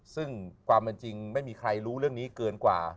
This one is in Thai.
ซึ่งความเป็นจริงไม่มีใครรู้เรื่องนี้เกินกว่า